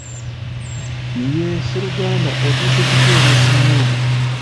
Yee, sseruganda otuuse kikerezi nnyo.